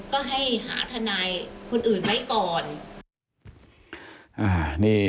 ก็ให้หาทนายคนอื่นไว้ก่อน